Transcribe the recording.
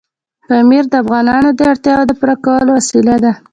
پامیر د افغانانو د اړتیاوو د پوره کولو وسیله ده.